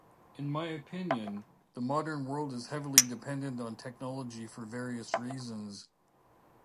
In my opinion, the modern world is heavily dependent on technology for various reasons.